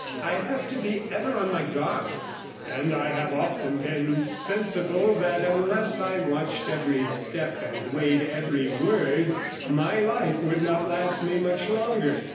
I have to be ever on my guard, and I have often been sensible that unless I watched every step and weighed every word, my life would not last me much longer.